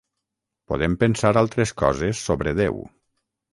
Podem pensar altres coses sobre Déu.